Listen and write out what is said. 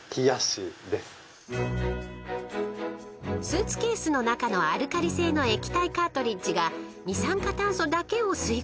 ［スーツケースの中のアルカリ性の液体カートリッジが二酸化炭素だけを吸い込む仕組み］